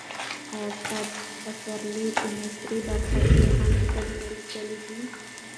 آیا استاد پسرلی په نثري برخه کې هم کتابونه لیکلي دي؟